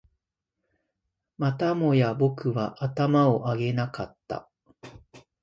またもや僕は頭を上げなかった